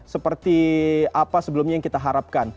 seperti apa sebelumnya yang kita harapkan